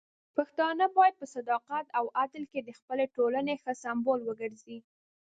پښتانه بايد په صداقت او عدل کې د خپلې ټولنې ښه سمبول وګرځي.